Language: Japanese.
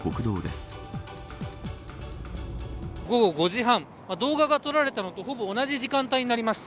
午後５時半動画が撮られたのとほぼ同じ時間帯になります。